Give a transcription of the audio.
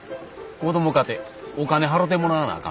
子供かてお金払てもらわなあかんな。